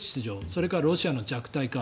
それからロシアの弱体化。